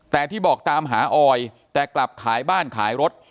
แต่ที่บอกตามหาออยแต่กลับขายบ้านขายรถ